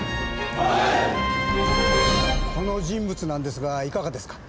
この人物なんですがいかがですか？